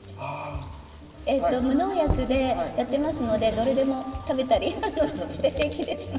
無農薬でやってますのでどれでも食べたりして平気ですので。